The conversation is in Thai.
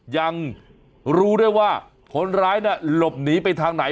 ยังรู้ด้วยว่าคนร้ายลบหนีไปทางไหน